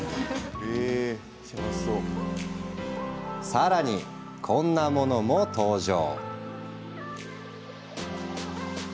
さらに、こんなものも登場。